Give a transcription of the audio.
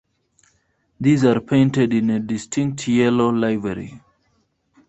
These are painted in a distinct yellow livery.